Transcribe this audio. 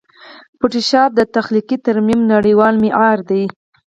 فوټوشاپ د تخلیقي ترمیم نړېوال معیار دی.